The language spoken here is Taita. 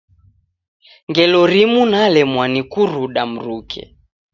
Ngelo rimu nalemwa ni kuruda mruke.